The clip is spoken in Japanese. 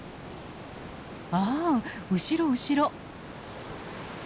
ああ後ろ後ろ！